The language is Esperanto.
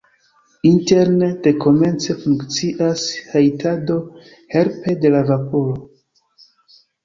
Interne dekomence funkcias hejtado helpe de vaporo.